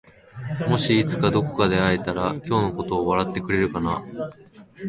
もしいつかどこかで会えたら今日のことを笑ってくれるかな？